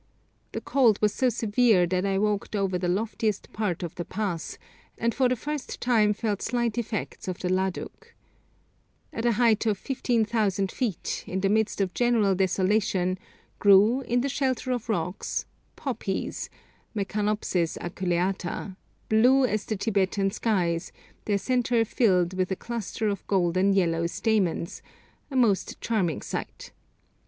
The cold was so severe that I walked over the loftiest part of the pass, and for the first time felt slight effects of the ladug. At a height of 15,000 feet, in the midst of general desolation, grew, in the shelter of rocks, poppies (Mecanopsis aculeata), blue as the Tibetan skies, their centres filled with a cluster of golden yellow stamens, a most charming sight.